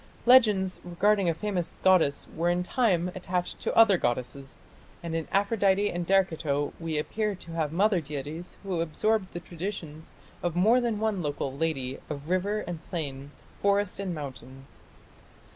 Legends regarding a famous goddess were in time attached to other goddesses, and in Aphrodite and Derceto we appear to have mother deities who absorbed the traditions of more than one local "lady" of river and plain, forest and mountain.